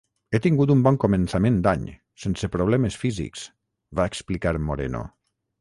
"He tingut un bon començament d'any, sense problemes físics", va explicar Moreno.